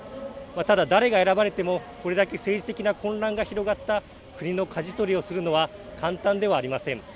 ただ、誰が選ばれてもこれだけ政治的な混乱が広がった国のかじ取りをするのは簡単ではありません。